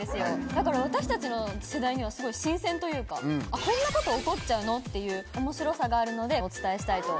だから私たちの世代には。こんなこと起こっちゃうの？っていう面白さがあるのでお伝えしたいと。